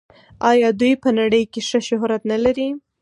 آیا دوی په نړۍ کې ښه شهرت نلري؟